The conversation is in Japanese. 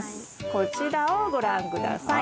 こちらをご覧下さい。